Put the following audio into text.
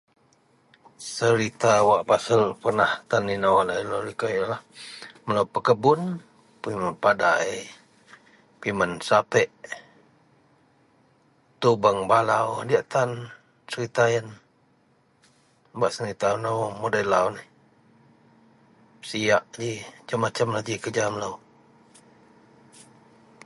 serita wak pasel pernah tan inou.. [unintelligible] melou pekebun, pimun padai , pimen sapek, tubeang balau diak tan serita ien bak serita nou mudei lau neh, pesiak ji, macam-macam lah ji kerja melou